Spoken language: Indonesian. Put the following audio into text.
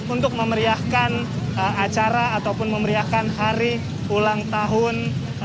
untuk memeriahkan acara ataupun memeriahkan hari ulang tahun